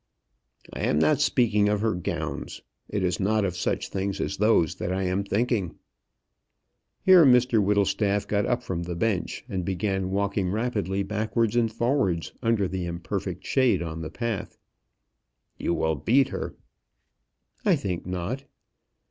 "I am not speaking of her gowns. It is not of such things as those that I am thinking." Here Mr Whittlestaff got up from the bench, and began walking rapidly backwards and forwards under the imperfect shade on the path. "You will beat her." "I think not."